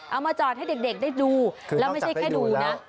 เอามาจอดให้เด็กได้ดูแล้วไม่ใช่แค่ดูนะ